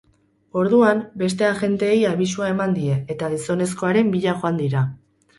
Orduan, beste agenteei abisua eman die, eta gizonezkoaren bila joan dira.